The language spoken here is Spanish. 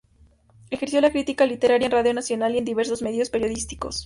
Ejerció la crítica literaria en Radio Nacional y en diversos medios periodísticos.